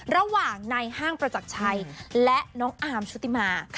ระหว่างในห้างประจักรชัยและน้องอาร์มชุติมา